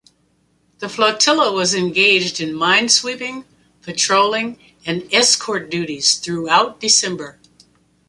The flotilla was engaged in minesweeping, patrolling and escort duties throughout December.